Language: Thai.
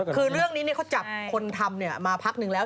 คือเรื่องนี้เขาจับคนทำมาพักนึงแล้ว